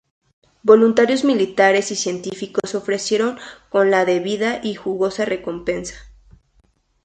Voluntarios militares y científicos se ofrecieron con la debida y jugosa recompensa.